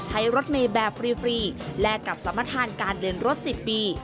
ใช้รถเมนแบบฟรีแลกกับสามทานการเรียนรถ๑๐ปี